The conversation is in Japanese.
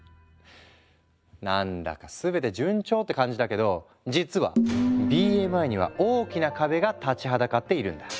何だか全て順調って感じだけど実はＢＭＩには大きな壁が立ちはだかっているんだ。